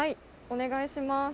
お願いします。